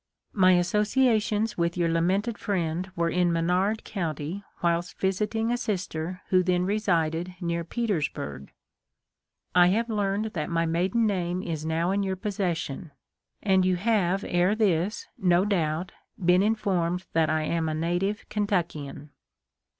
My associations with your lamented friend were in Menard county whilst visiting a sister who then resided near Petersburg. I have learned that my maiden name is now in your pos session ; and you have ere this, no doubt, been in formed that I am a native Kentuckian."